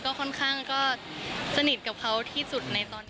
แล้วตอนนี้ก็ค่อยสนิทกับเค้าที่สุด